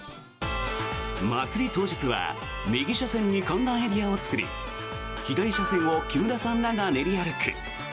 まつり当日は右車線に観覧エリアを作り左車線を木村さんらが練り歩く。